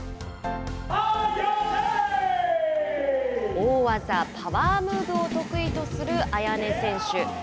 大技、パワームーブを得意とするＡＹＡＮＥ選手。